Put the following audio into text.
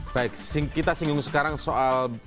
baik kita singgung sekarang soal